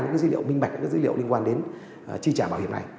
những dữ liệu minh bạch những dữ liệu liên quan đến chi trả bảo hiểm này